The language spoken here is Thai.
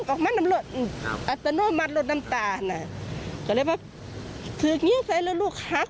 ก็เลยว่าถึงหยุดใช่หรือลูกหัก